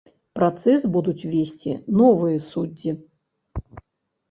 Працэс будуць весці новыя суддзі.